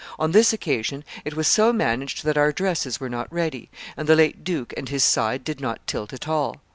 On this occasion, it was so managed that our dresses were not ready, and the late duke and his side did not tilt at all.